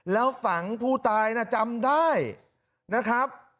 แล้วฝังผู้ตายนะจำได้นะครับ